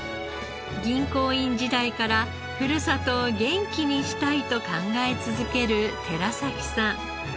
銀行員時代からふるさとを元気にしたいと考え続ける寺崎さん。